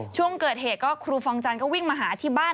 ช่วงเกิดเหตุก็ครูฟองจันทร์ก็วิ่งมาหาที่บ้าน